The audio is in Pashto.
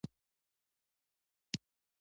ښوروا له پیازو پرته بېمزه وي.